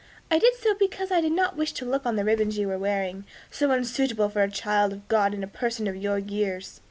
I did so because I did not wish to look on the ribbons you are wearing, so unsuitable for a child of God and a person of your years."